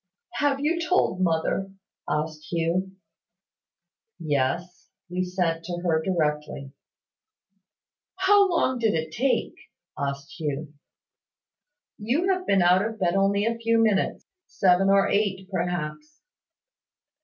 "Have you told mother?" asked Hugh. "Yes; we sent to her directly." "How long did it take?" asked Hugh. "You have been out of bed only a few minutes seven or eight, perhaps."